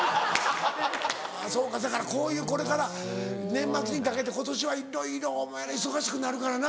そうかだからこういうこれから年末にかけて今年はいろいろお前ら忙しくなるからな。